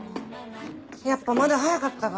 やっぱまだ早かったか。